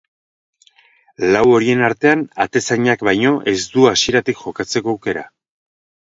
Lau horien artean, atezainak baino ez du hasieratik jokatzeko aukera.